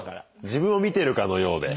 自分を見てるかのようで。